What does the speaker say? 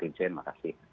terima kasih pak dirjen